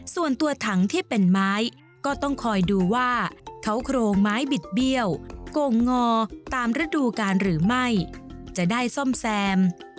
ส่วนตัวถังที่เป็นไม้ก็ต้องคอยดูว่าเขาโครงไม้บิดเบี้ยวโก่งงอตามฤดูการหรือไม่จะได้ซ่อมแซม